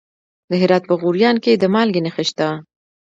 د هرات په غوریان کې د مالګې نښې شته.